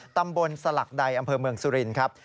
ตำบลสลักใดอำเภอเมืองสุรินทร์ครับ